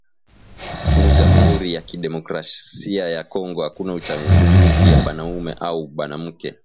mu jamuri ya ki democracia ya congo akuna uchaguzi ya banaume ao banamuke